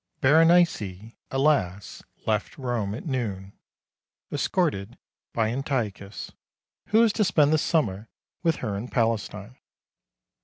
Berenice, alas! left Rome at noon, escorted by Antiochus, who is to spend the summer with her in Palestine.